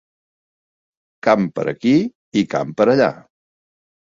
Camp per aquí i camp per allà